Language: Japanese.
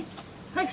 はい